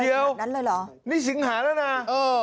เที่ยววันต่างจากนั้นเลยเหรอนี่สิงหาแล้วน่ะเออ